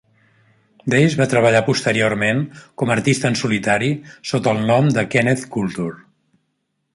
Dayes va treballar posteriorment com a artista en solitari sota el nom de Kenneth Culture.